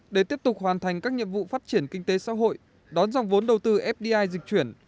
để tiếp tục hoàn thành các nhiệm vụ phát triển kinh tế xã hội đón dòng vốn đầu tư fdi dịch chuyển